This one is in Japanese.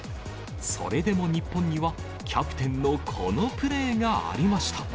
それでも日本には、キャプテンのこのプレーがありました。